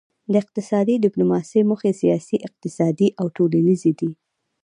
د اقتصادي ډیپلوماسي موخې سیاسي اقتصادي او ټولنیزې دي